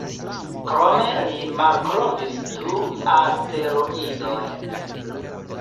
Krome li malkovris du asteroidojn.